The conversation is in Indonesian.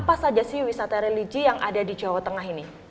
apa saja sih wisata religi yang ada di jawa tengah ini